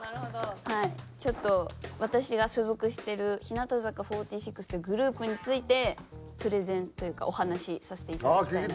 ちょっと私が所属してる日向坂４６というグループについてプレゼンというかお話しさせていただきたい。